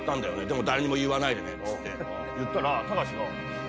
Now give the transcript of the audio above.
でも誰にも言わないでねっつって言ったら隆が。